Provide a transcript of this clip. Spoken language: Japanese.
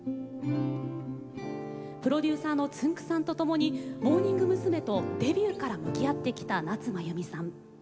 プロデューサーのつんく♂さんと共にモーニング娘。とデビューから向き合ってきた夏まゆみさん。